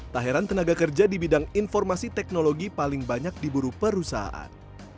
tak heran tenaga kerja di bidang informasi teknologi paling banyak diburu perusahaan